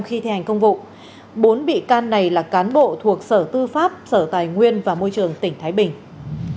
bốn bị can này là cán bộ thuộc sở tư pháp sở tài nguyên và môi trường tp thái bình